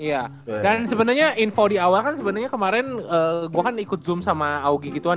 iya dan sebenarnya info di awal kan sebenarnya kemarin gue kan ikut zoom sama augie gitu kan